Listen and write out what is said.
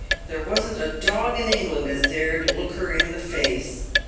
There w r asn't a dog in England as dared look her in the face.